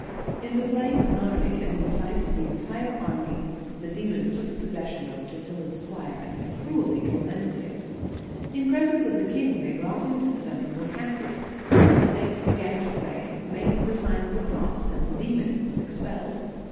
In the plain of Narni, and in sight of the entire army, the demon took possession of Totila s squire, and cruelly tormented him. In pre sence of the king, they brought him to the venerable Cassius. The saint began to pray, made the Sign of the Cross, and the demon was expelled.